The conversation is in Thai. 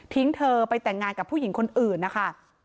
เธอไปแต่งงานกับผู้หญิงคนอื่นนะคะ